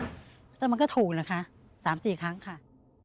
แล้วมันก็ถูกนะคะสามสี่ครั้งค่ะ